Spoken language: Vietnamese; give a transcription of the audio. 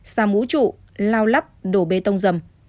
xàm ủ trụ lao lắp đổ bê tông dầm